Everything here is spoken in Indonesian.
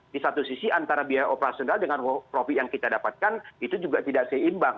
di satu sisi antara biaya operasional dengan profit yang kita dapatkan itu juga tidak seimbang